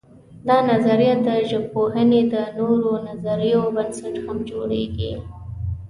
دا نظریه د ژبپوهنې د نورو نظریو بنسټ هم جوړوي.